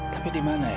tapi dimana ya